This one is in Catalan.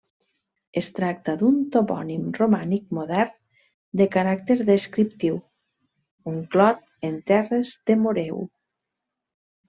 Es tracta d'un topònim romànic modern, de caràcter descriptiu: un clot en terres de Moreu.